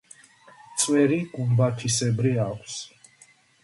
წვერი გუმბათისებრი აქვს.